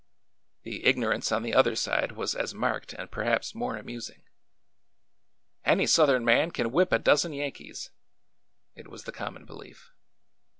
The ignorance on the other side was as marked and perhaps more amusing. Any Southern man can whip a dozen Yankees !'' It was the common belief.